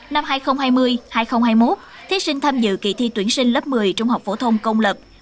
năm hai nghìn hai mươi hai nghìn hai mươi một thí sinh tham dự kỳ thi tuyển sinh lớp một mươi trung học phổ thông công lập